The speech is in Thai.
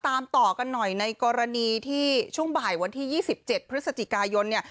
ตามต่อกันหน่อยในกรณีที่ช่วงบ่ายวันที่๒๗พฤศจิกายนเนี่ย